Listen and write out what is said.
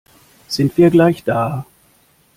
Sind wir gleich da?